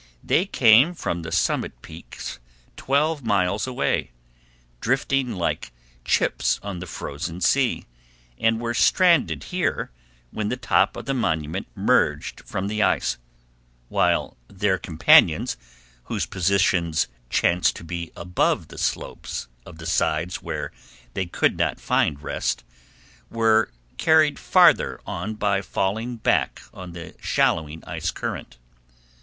They came from the summit peaks twelve miles away, drifting like chips on the frozen sea, and were stranded here when the top of the monument merged from the ice, while their companions, whose positions chanced to be above the slopes of the sides where they could not find rest, were carried farther on by falling back on the shallowing ice current.